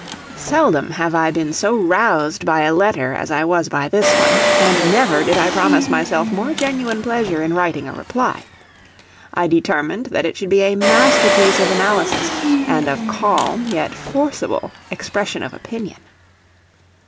Seldom have I been so roused by a letter as I was by this one, and never did I promise myself more genuine pleasure in writing a reply. I determined that it should be a masterpiece of analysis and of calm yet forcible expression of opinion.